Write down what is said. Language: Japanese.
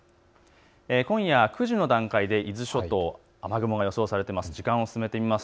今夜９時の段階で伊豆諸島、雨雲が予想されています。